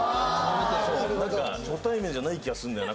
なるほど初対面じゃない気がすんだよな